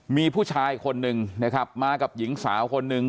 มีผู้ชายคนหนึ่งนะครับมากับหญิงสาวคนหนึ่ง